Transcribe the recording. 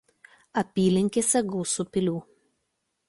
Apylinkėse gausu pilių.